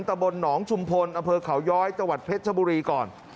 ตะบลหนองชุมพลอเภอเข่าย้อยจวัดเพชรเจ้าบุรีก่อน